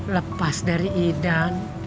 lepas dari idang